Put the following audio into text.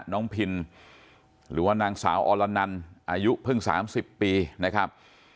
พินหรือว่านางสาวอรนันอายุเพิ่ง๓๐ปีนะครับ